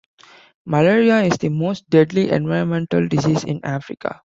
Malaria is the most deadly environmental disease in Africa.